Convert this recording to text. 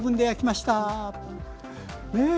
ねえ。